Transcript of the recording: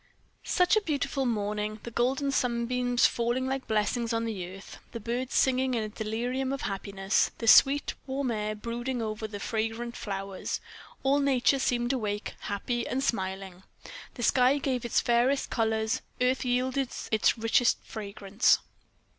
Such a beautiful morning! The golden sunbeams falling like blessings on the earth; the birds singing in a delirium of happiness. The sweet, warm air brooding over the fragrant flowers; all nature seemed awake, happy and smiling; the sky gave its fairest colors; earth yielded its richest fragrance.